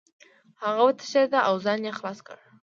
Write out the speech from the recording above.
هغه وتښتېد او ځان یې خلاص کړ.